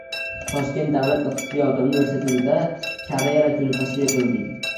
Toshkent davlat iqtisodiyot universitetida “Karera kuni” tashkil etilding